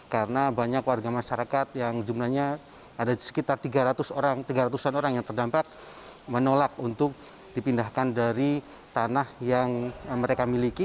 karena banyak warga masyarakat yang jumlahnya ada sekitar tiga ratus orang yang terdampak menolak untuk dipindahkan dari tanah yang mereka miliki